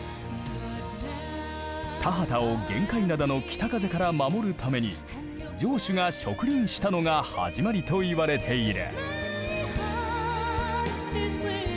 田畑を玄界灘の北風から守るために城主が植林したのが始まりと言われている。